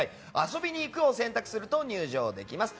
遊びに行くを選択すると入場できます。